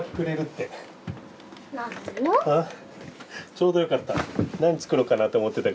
ちょうどよかった。